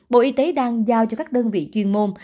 bộ y tế đang giao cho các đơn vị chuyên môn